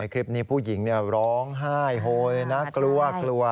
ในคลิปนี้ผู้หญิงเนี่ยร้องไห้โฮยนะกลัว